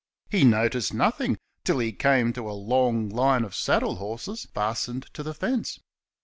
He noticed nothing till he came to a long line of saddle horses fastened to the fence.